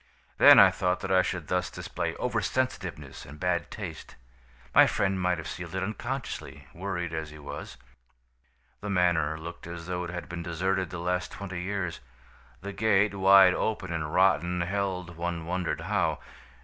Then I thought that I should thus display over sensitiveness and bad taste. My friend might have sealed it unconsciously, worried as he was. "The manor looked as though it had been deserted the last twenty years. The gate, wide open and rotten, held, one wondered how.